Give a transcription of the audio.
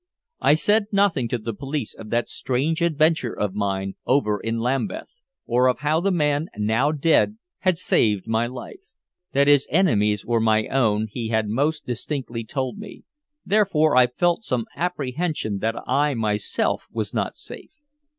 I said nothing to the police of that strange adventure of mine over in Lambeth, or of how the man now dead had saved my life. That his enemies were my own he had most distinctly told me, therefore I felt some apprehension that I myself was not safe.